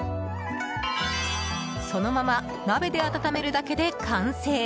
そのまま鍋で温めるだけで完成。